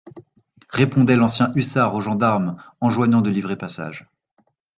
Répondait l'ancien hussard au gendarme enjoignant de livrer passage.